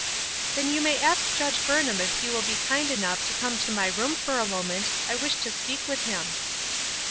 " Then you may ask Judge Burnham if he will be kind enough to come to my room for a moment, I wish to speak with him."